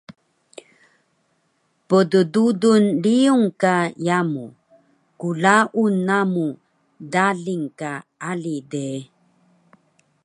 Pddudul riyung ka yamu, klaun namu daling ka ali de